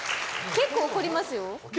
結構、怒りますよ。